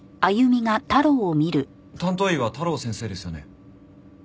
担当医は太郎先生ですよね？